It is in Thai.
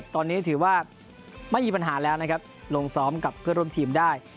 ตอนนี้ถือว่าไม่มีปัญหาแล้วนะครับลงซ้อมกับเพื่อนร่วมทีมได้